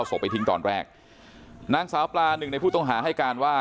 ศพไปทิ้งตอนแรกนางสาวปลาหนึ่งในผู้ต้องหาให้การว่า